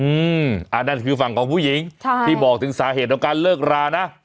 อืมอ่านั่นคือฝั่งของผู้หญิงใช่ที่บอกถึงสาเหตุของการเลิกรานะ